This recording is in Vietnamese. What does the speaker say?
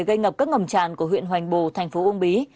gây ngập các ngầm tràn của huyện hoành bồ thành phố uông bí